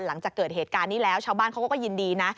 หลังจากเกิดเหตุการณ์นี้แล้วชาวบ้านเขาก็ยินดีนะ